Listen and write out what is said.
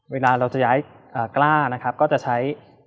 เวลาเราจะย้ายกล้านะครับก็จะใช้